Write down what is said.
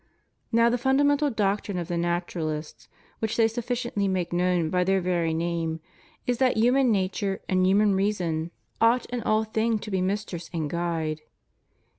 Now, the fundamental doctrine of the Naturalists, which they sufficiently make known by their very name, is that human nature and human reason ought in all thin/rs 90 FREEMASONRY. to be mistress and guide.